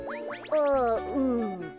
ああうん。